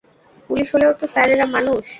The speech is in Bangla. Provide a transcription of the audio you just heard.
পুলিশ হলেও তো স্যার এরা মানুষ।